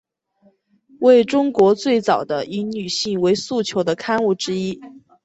为中国最早的以女性为诉求的刊物之一。